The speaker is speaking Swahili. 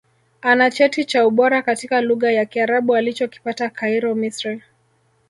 Ana Cheti cha Ubora katika Lugha ya Kiarabu alichokipata Cairo Misri